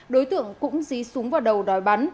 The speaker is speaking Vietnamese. đối tượng cũng dí súng vào đầu đòi bắn